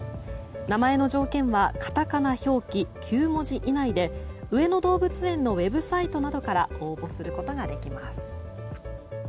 名前の条件はカタカナ表記９文字以内で上野動物園のウェブサイトなどから応募することができます。